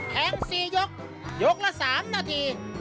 ๔ยกยกละ๓นาที